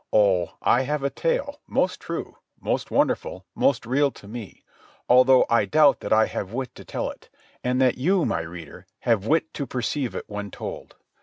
Oh, I have a tale, most true, most wonderful, most real to me, although I doubt that I have wit to tell it, and that you, my reader, have wit to perceive it when told.